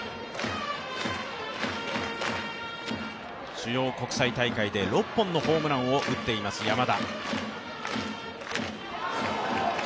主要国際大会で６本のホームランを打っています山田。